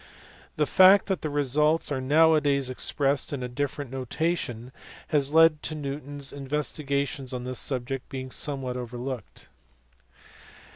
The fact that the results are now a days expressed in a different notation has led to Newton s investigations on this subject being somewhat overlooked.